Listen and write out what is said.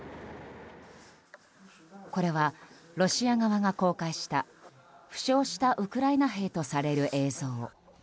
これは、ロシア側が公開した負傷したウクライナ兵とされる映像。